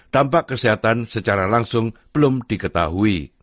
dampak kesehatan secara langsung belum diketahui